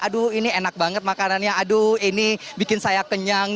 aduh ini enak banget makanannya aduh ini bikin saya kenyang